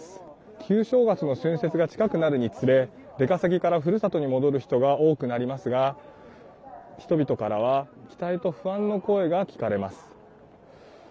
旧正月の春節が近くなるにつれ出稼ぎから、ふるさとに戻る人が多くなりますが人々からは期待と不安の声が聞かれます。